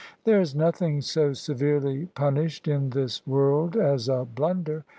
There is nothing so severely punished in this world as a blunder.